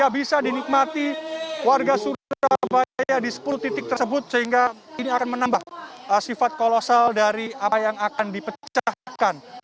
bisa dinikmati warga surabaya di sepuluh titik tersebut sehingga ini akan menambah sifat kolosal dari apa yang akan dipecahkan